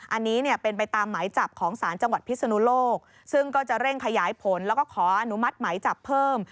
อันนี้เนี่ยเป็นไปตามหมายจับของศาลจังหวัดพิศนุโลกซึ่งก็จะเร่งขยายผลแล้วก็ขออนุมัติหมายจับเพิ่ม